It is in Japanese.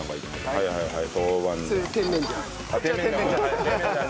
はいはいはい。